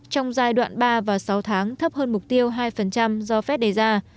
trong giai đoạn ba và sáu tháng thấp hơn mục tiêu hai do fed đề ra